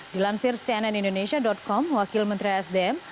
dilansir cnn indonesia com wakil menteri sdm